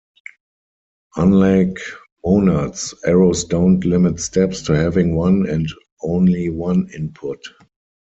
Unlike monads, arrows don't limit steps to having one and only one input.